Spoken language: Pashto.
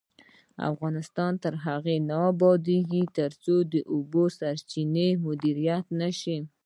افغانستان تر هغو نه ابادیږي، ترڅو د اوبو سرچینې مدیریت نشي.